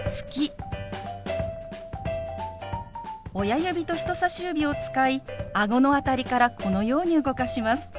親指と人さし指を使いあごの辺りからこのように動かします。